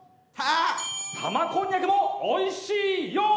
玉こんにゃくもおいしいよ！